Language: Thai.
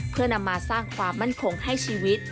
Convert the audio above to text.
เพื่อนำมาสร้างความมั่นคงให้ชีวิต